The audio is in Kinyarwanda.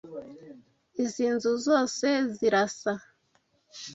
Izi nzu zose zirasa.